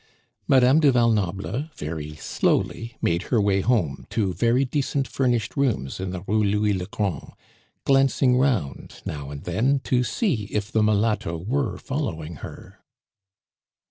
Madame du Val Noble very slowly made her way home to very decent furnished rooms in the Rue Louis le Grand, glancing round now and then to see if the mulatto were following her.